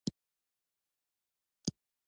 درېیمه ګڼه یې د مې په میاشت کې لوستونکو ته رسیږي.